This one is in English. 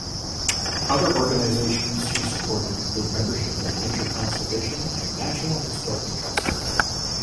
Other organizations she supported include membership of Nature Conservation and National Historic Trust.